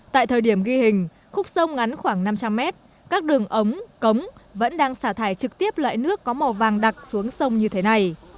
tại thời điểm ghi hình khúc sông ngắn khoảng năm trăm linh mét các đường ống cống vẫn đang xả thải trực tiếp loại nước có màu vàng đặc xuống sông như thế này